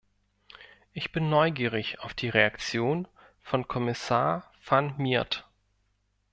Ich bin neugierig auf die Reaktion von Kommissar Van Miert.